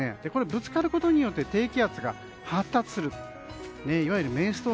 ぶつかることによって低気圧が発達すると。